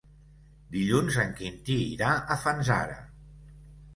Dilluns en Quintí irà a Fanzara.